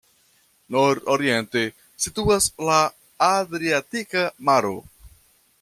Nord-oriente situas la Adriatika maro.